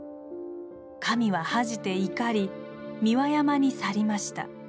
神は恥じて怒り三輪山に去りました。